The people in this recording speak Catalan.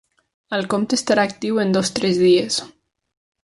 El compte estarà actiu en dos-tres dies.